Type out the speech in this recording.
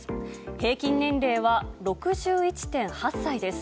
平均年齢は６１．８歳です。